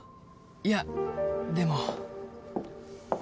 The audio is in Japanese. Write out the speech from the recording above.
いやでも